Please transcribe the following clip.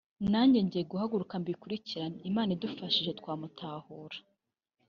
nanjye ngiye guhaguruka mbikurikirane imana idufashije twamutahura